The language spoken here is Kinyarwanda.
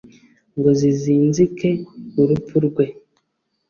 ngo zizinzike urupfu rwe.